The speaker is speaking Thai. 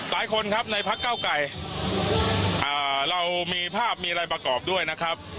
หลายคนครับในพักเก้าไก่เรามีภาพมีอะไรประกอบด้วยนะครับ